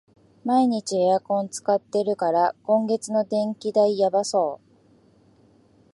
毎日エアコン使ってるから、今月の電気代やばそう